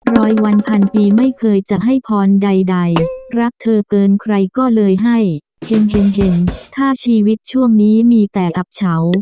วันพันปีไม่เคยจะให้พรใดรักเธอเกินใครก็เลยให้เห็นเห็นถ้าชีวิตช่วงนี้มีแต่อับเฉา